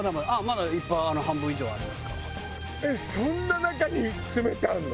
えっそんな中に詰めてあるの？